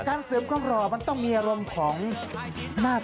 แต่การเสริมความหล่อมันต้องมีอารมณ์ของหน้าตา